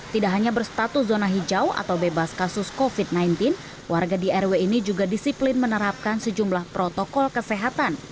tidak hanya berstatus zona hijau atau bebas kasus covid sembilan belas warga di rw ini juga disiplin menerapkan sejumlah protokol kesehatan